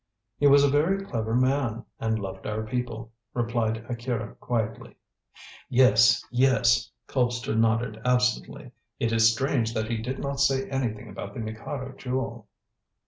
"He was a very clever man, and loved our people," replied Akira quietly. "Yes! yes!" Colpster nodded absently. "It is strange that he did not say anything about the Mikado Jewel."